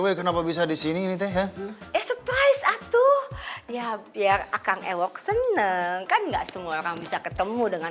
hai ya biar akang epic serna negro semua orang bisa ketemu dengan